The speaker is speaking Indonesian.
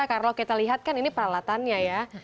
karena kita lihat kan ini peralatannya ya